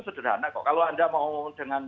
sederhana kok kalau anda mau dengan